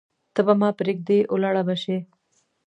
ته به ما پریږدې ولاړه به شې